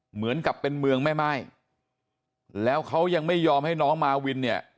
เหมือนกับเป็นเมืองไม่